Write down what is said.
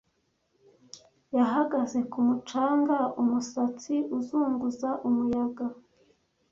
Yahagaze ku mucanga umusatsi uzunguza umuyaga.